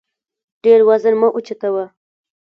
ډېر وزن مه اوچتوه